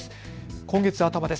今月頭です。